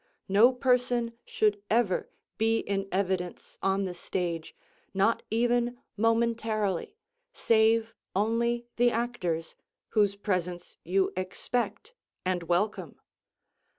No person should ever be in evidence on the stage, not even momentarily, save only the actors, whose presence you expect and welcome.